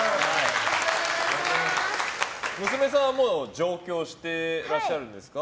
娘さんは、もう上京してらっしゃるんですか？